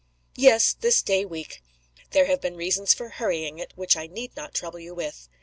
"Yes. This day week. There have been reasons for hurrying it which I need not trouble you with.